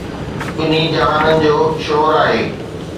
ٻنھي جھانن جو شور آھي